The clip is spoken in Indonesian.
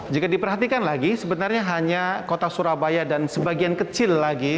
jika diperhatikan lagi sebenarnya hanya kota surabaya dan sebagian kecil lagi